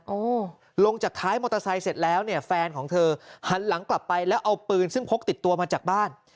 ลงจากท้ายมอเตอร์ไซค์เสร็จแล้วเนี่ยแฟนของเธอหันหลังกลับไปแล้วเอาปืนซึ่งพกติดตัวมาจากบ้าน